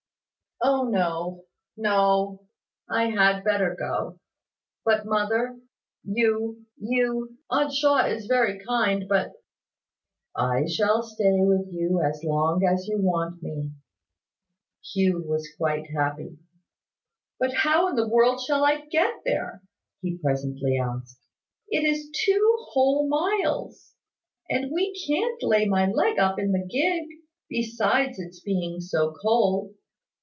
"O no, no! I had better go. But, mother, you you aunt Shaw is very kind, but " "I shall stay with you as long as you want me." Hugh was quite happy. "But how in the world shall I get there?" he presently asked. "It is two whole miles; and we can't lay my leg up in the gig: besides its being so cold."